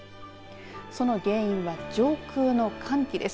その原因は、上空の寒気です。